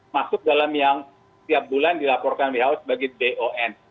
masuk dalam yang setiap bulan dilaporkan who sebagai don